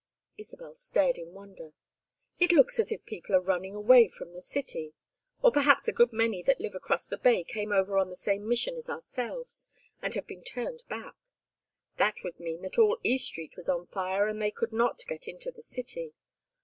Isabel stared with wonder. "It looks as if people were running away from the city. Or perhaps a good many that live across the bay came over on the same mission as ourselves, and have been turned back. That would mean that all East Street was on fire and they could not get into the city.